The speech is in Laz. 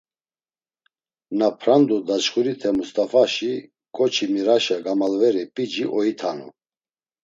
Na prandu daçxurite Must̆afaşi, ǩoçi miraşa gamalveri p̌ici oitanu.